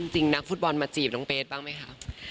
นักฟุตบอลมาจีบน้องเบสบ้างไหมคะ